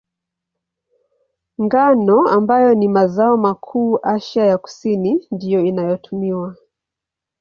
Ngano, ambayo ni mazao makuu Asia ya Kusini, ndiyo inayotumiwa.